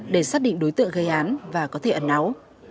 để xác định đối tượng gây án và có thể ẩn náu